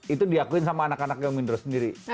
itu diakuin sama anak anaknya mindro sendiri